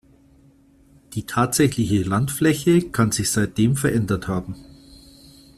Die tatsächliche Landfläche kann sich seitdem verändert haben.